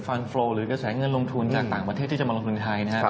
ฟันโฟลหรือกระแสเงินลงทุนจากต่างประเทศที่จะมาลงทุนไทยนะครับ